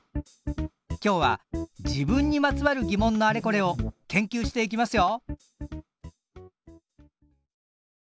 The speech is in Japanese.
今日は自分にまつわる疑問のあれこれを研究していきますよ！